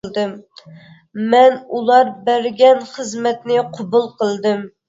مەن ئۇلار بەرگەن خىزمەتنى قوبۇل قىلدىم.